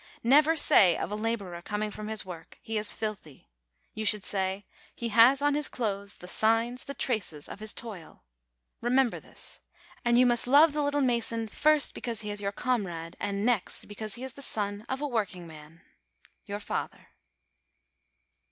Never say of a laborer coming from his work, "He is filthy." You should say, "He has on his clothes the signs, the traces, of his toil." Remember this. And you must love the little mason, first, because he is your comrade ; and next, because he is the son of a workingman. YOUR FATHER.